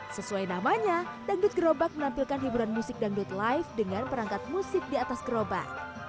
sesuai namanya dangdut gerobak menampilkan hiburan musik dangdut live dengan perangkat musik di atas gerobak